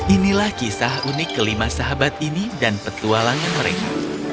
inilah kisah unik kelima sahabat ini dan petualangan mereka